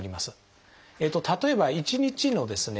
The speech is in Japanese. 例えば１日のですね